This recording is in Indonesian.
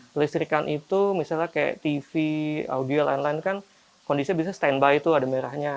kelistrikan itu misalnya kayak tv audio lain lain kan kondisinya bisa standby tuh ada merahnya